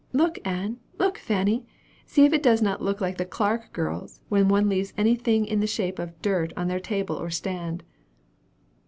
"Look, Ann! look, Fanny! See if it does not look like the Clark girls, when one leaves any thing in the shape of dirt on their table or stand!"